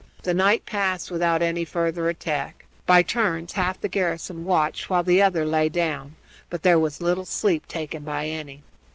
The night passed without any further attack. By turns half the garrison watched while the other lay down, but there was little sleep taken by any.